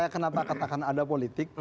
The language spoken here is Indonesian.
kenapa katakan ada politik